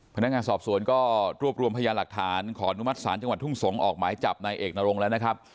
พนักงานสอบสวนก็รวบรวมพยานหลักฐานขออนุมัติศาลจังหวัดทุ่งสงศ์ออกหมายจับนายเอกนรงแล้วนะครับ